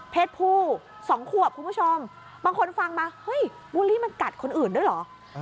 เพศผู้๒ควบคุณผู้ชมบางคนฟังมาบูรีมันกัดคนอื่นด้วยหรือ